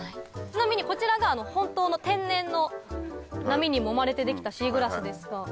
ちなみにこちらが本当の天然の波にもまれて出来たシーグラスですが。